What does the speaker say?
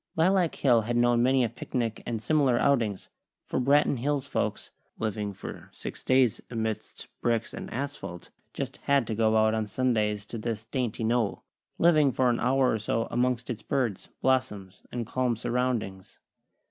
Lilac Hill had known many a picnic and similar outings; for Branton Hills folks, living for six days amidst bricks and asphalt, just had to go out on Sundays to this dainty knoll, living for an hour or so amongst its birds, blossoms and calm surroundings.